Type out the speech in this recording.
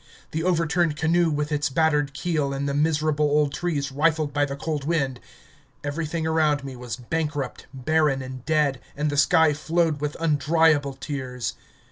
The overturned canoe with its battered keel and the miserable old trees rifled by the cold wind everything around me was bankrupt, barren, and dead, and the sky flowed with undryable tears...